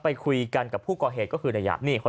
ไปคุยกันกับผู้ก่อเหตุก็คือนัยภรรณ์นะครับ